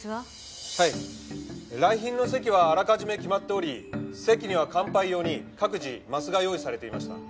はい来賓の席はあらかじめ決まっており席には乾杯用に各自枡が用意されていました。